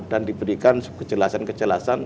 dan diberikan kejelasan kejelasan